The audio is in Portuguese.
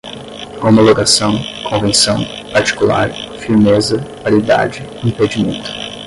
homologação, convenção particular, firmeza, validade, impedimento